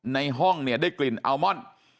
ในห้องเนี่ยได้กลิ่นอัลมอน